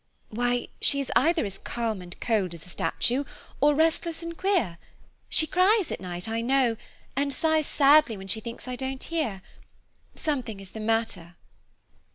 "Why, she is either as calm and cold as a statue, or restless and queer; she cries at night, I know, and sighs sadly when she thinks I don't hear. Something is the matter."